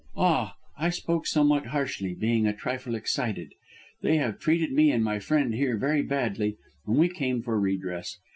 "Ah, I spoke somewhat harshly, being a trifle excited. They have treated me and my friend here very badly and we came for redress.